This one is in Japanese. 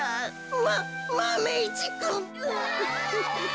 ママメ１くん。